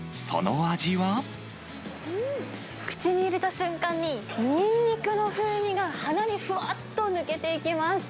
口に入れた瞬間に、ニンニクの風味が鼻にふわっと抜けていきます。